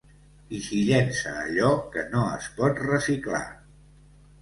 I s'hi llença allò que no es pot reciclar.